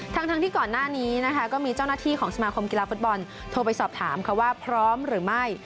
ทั้งที่ก่อนหน้านี้นะคะก็มีเจ้าหน้าที่ของสมาคมกีฬาฟุตบอลโทรไปสอบถามค่ะว่าพร้อมหรือไม่